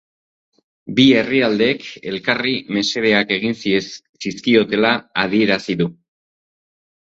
Bi herrialdeek elkarri mesedeak egin zizkiotela adierazi du.